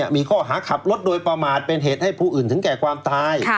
มีข้อหาขับรถโดยประมาทเป็นเหตุให้ผู้อื่นถึงแก่ความตาย